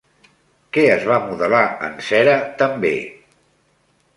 Què es va modelar en cera també?